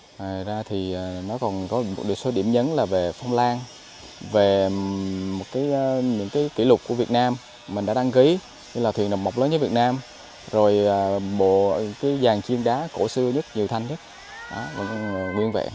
ngoài ra thì nó còn có một số điểm nhấn là về phong lan về những kỷ lục của việt nam mình đã đăng ký như là thuyền đầm mộc lớn nhất việt nam rồi bộ vàng chiên đá cổ xưa nhất nhiều thanh nhất nguyên vẹn